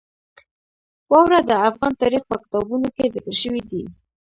واوره د افغان تاریخ په کتابونو کې ذکر شوی دي.